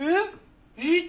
えっ？